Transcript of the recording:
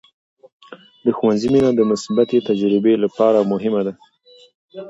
د ښوونځي مینه د مثبتې تجربې لپاره مهمه ده.